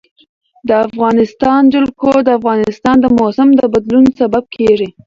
د افغانستان جلکو د افغانستان د موسم د بدلون سبب کېږي.